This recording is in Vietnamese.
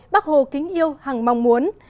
bác hồ kính yêu hằng mong muốn